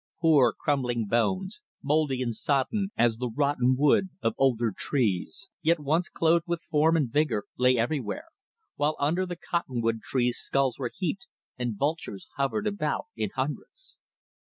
Poor crumbling bones, mouldy and sodden as the rotten wood of older trees, yet once clothed with form and vigour, lay everywhere, while under the cotton wood trees skulls were heaped and vultures hovered about in hundreds.